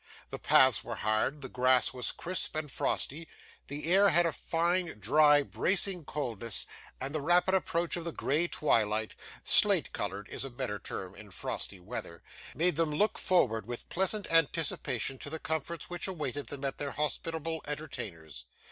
The paths were hard; the grass was crisp and frosty; the air had a fine, dry, bracing coldness; and the rapid approach of the gray twilight (slate coloured is a better term in frosty weather) made them look forward with pleasant anticipation to the comforts which awaited them at their hospitable entertainer's.